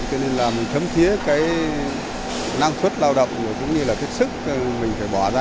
cho nên là mình thấm thiếc năng thuất lao động cũng như là thức sức mình phải bỏ ra